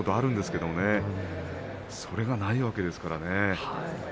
それが宝富士はないわけですからね。